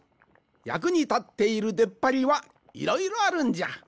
やくにたっているでっぱりはいろいろあるんじゃ。